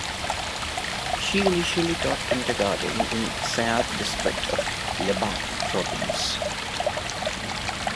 She initially taught kindergarten in Sayat district of Lebap province.